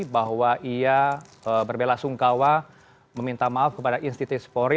bahwa ia berbela sungkawa meminta maaf kepada institut krimpori